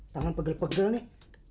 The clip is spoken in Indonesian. tangan pegel pegel nih